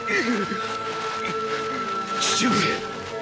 父上。